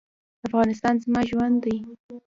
افغانستان زما ژوند دی